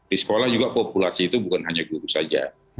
di sekolah juga populasi itu bukan hanya guru saja